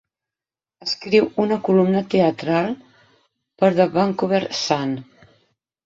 Escriu una columna teatral per "The Vancouver Sun".